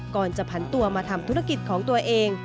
ก่อนจะผันตัวมาทำธุรกิจของตัวเอง